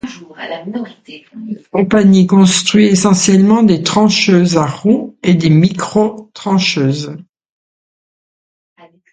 La compagnie construit essentiellement des trancheuses à roue et des micro-trancheuses.